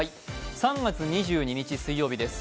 ３月２２日、水曜日です。